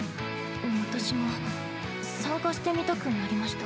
私も参加してみたくなりました。